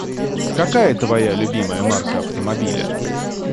Какая твоя любимая марка автомобиля?